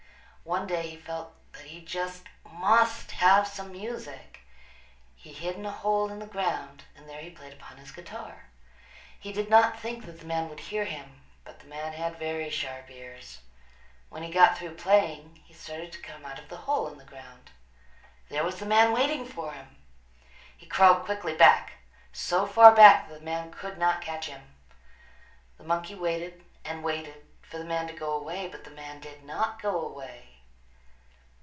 One day he felt that he just must have some music. He hid in a hole in the ground and there he played upon his guitar. He did not think that the man would hear him, but the man had very sharp ears. When he got through playing he started to come out of the hole in the ground. There was the man waiting for him! He crawled quickly back, so far back that the man could not catch him. The monkey waited and waited for the man to go away, but the man did not go away.